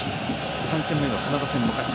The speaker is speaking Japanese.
３戦目のカナダも勝ち